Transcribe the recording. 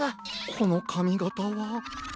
このかみがたは。